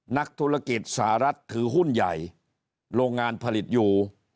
นักธุรกิจสหรัฐถือหุ้นใหญ่โรงงานผลิตอยู่